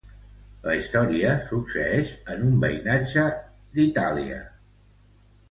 La història succeïx en un veïnatge d'Itàlia.